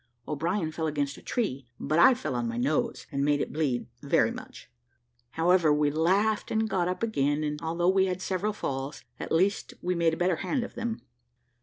O'Brien fell against a tree, but I fell on my nose, and made it bleed very much; however, we laughed and got up again, and although we had several falls, at last we made a better hand of them.